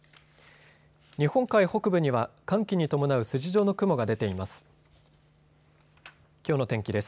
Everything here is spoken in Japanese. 日本海北部には寒気に伴う筋状の雲が出ています。